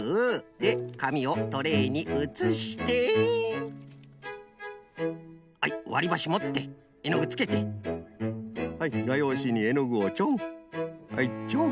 でかみをトレイにうつしてはいわりばしもってえのぐつけてはいがようしにえのぐをチョン。